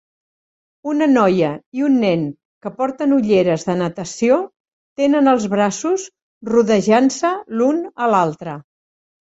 Una noia i un nen que porten ulleres de natació tenen els braços rodejant-se l'un a l'altre.